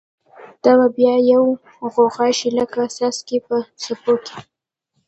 دا به بیا یوه غوغا شی، لکه څاڅکی په څپو کی